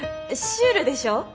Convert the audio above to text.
シュールでしょ？